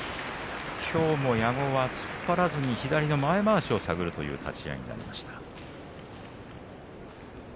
きょうも矢後は突っ張らずに左の前まわしを探るという形になりました。